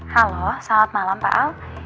halo selamat malam pak al